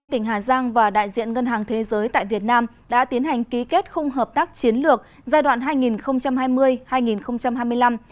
tỉnh hà giang và đại diện ngân hàng thế giới tại việt nam đã tiến hành ký kết khung hợp tác chiến lược giai đoạn hai nghìn hai mươi hai nghìn hai mươi năm